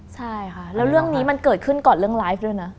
ใช่ค่ะแล้วเรื่องนี้มันเกิดขึ้นก่อนเรื่องไลฟ์ด้วยนะ